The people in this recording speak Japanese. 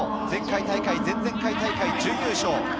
前回大会、前々回大会は準優勝。